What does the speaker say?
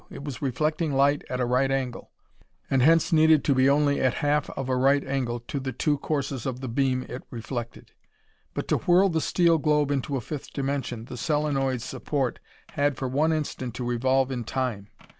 It was reflecting light at a right angle, and hence needed to be only at half of a right angle to the two courses of the beam it reflected. But to whirl the steel globe into a fifth dimension, the solenoid's support had for one instant to revolve in time!